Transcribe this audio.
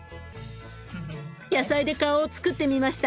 野菜で顔をつくってみました。